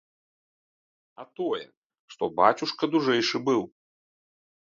А тое, што бацюшка дужэйшы быў.